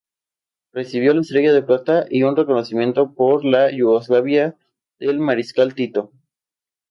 Recibió la Estrella de Plata y un reconocimiento por la Yugoslavia del Mariscal Tito.